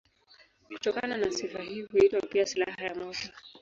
Kutokana na sifa hii huitwa pia silaha ya moto.